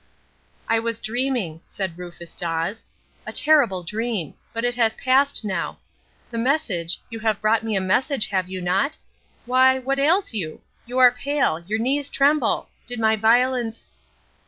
"I was dreaming," said Rufus Dawes. "A terrible dream! But it has passed now. The message you have brought me a message, have you not? Why what ails you? You are pale your knees tremble. Did my violence